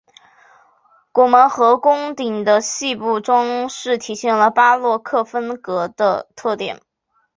拱门和穹顶的细部装饰体现了巴洛克风格的特点。